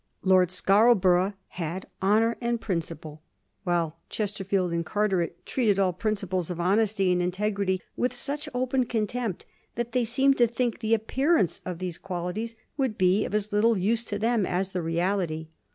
Lord Scarborough had honor and principle, while Chesterfield and Carteret treated all principles of honesty and integrity with such open contempt that they seemed to think the appearance of these qualities would be of as little use to them as the reality.